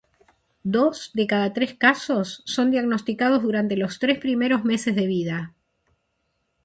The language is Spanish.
Dos de cada tres casos son diagnosticados durante los tres primeros meses de vida.